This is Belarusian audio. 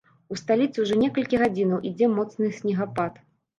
У сталіцы ўжо некалькі гадзінаў ідзе моцны снегапад.